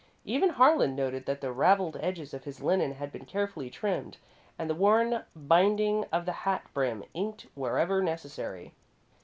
Even Harlan noted that the ravelled edges of his linen had been carefully trimmed and the worn binding of the hat brim inked wherever necessary.